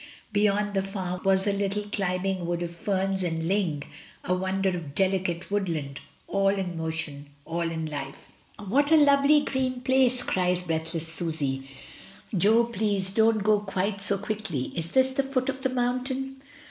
Beyond the farm was a little climbing wood of ferns and ling — a wonder of delicate woodland — all in motion, all in life. "What a lovely green place!" cries breathless Mrs, Dynumd. I. 1 6 242 MRS. DYMOND. Susy. "Jo, please, don't go quite so quickly. Is this the foot of the mountain?"